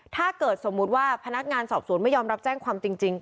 ถ้าเกิดสมมุติว่าพนักงานสอบสวนไม่ยอมรับแจ้งความจริง